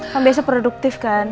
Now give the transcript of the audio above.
kan biasa produktif kan